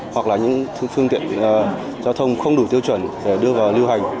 hoặc là những phương tiện giao thông không đủ tiêu chuẩn để đưa vào lưu hành